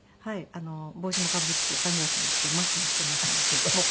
帽子もかぶってサングラスもしてマスクもしていますのでもう